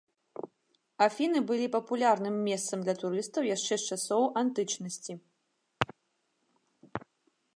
Афіны былі папулярным месцам для турыстаў яшчэ з часоў антычнасці.